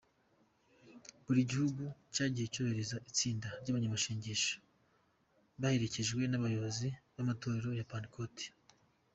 Buri gihugu cyagiye cyohereza itsinda ry’abanyamasengesho baherekejwe n’abayobozi b’amatorero ya Pentecote.